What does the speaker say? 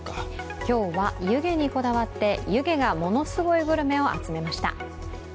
今日は湯気にこだわって、湯気がものすごいグルメを集めてみました。